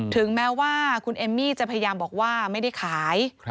ถึงแม้ว่าคุณเอมมี่จะพยายามบอกว่าไม่ได้ขาย